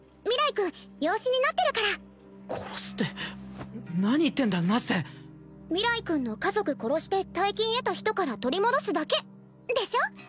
君養子になってるから殺すって何言ってんだナッセ明日君の家族殺して大金得た人から取り戻すだけでしょ？